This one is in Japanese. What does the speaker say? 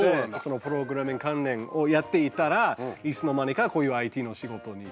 プログラミング関連をやっていたらいつの間にかこういうＩＴの仕事につながりましたね。